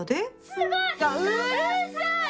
すごい！うるさい！